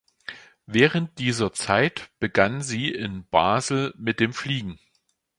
Während dieser Zeit begann sie in Basel mit dem Fliegen.